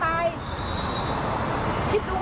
สวัสดีครับ